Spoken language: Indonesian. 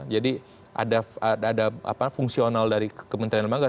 jadi ada fungsional dari kementerian lembaga